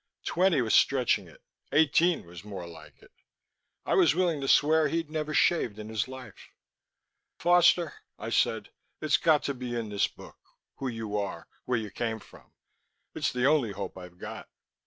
Twenty was stretching it; eighteen was more like it. I was willing to swear he'd never shaved in his life. "Foster," I said. "It's got to be in this book; who you are, where you came from It's the only hope I've got."